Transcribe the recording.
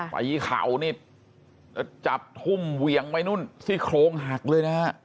ไฟเขานี่จับหุ้มเวียงไว้นู่นที่โครงหักเลยนะฮะ